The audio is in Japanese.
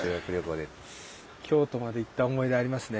京都まで行った思い出ありますね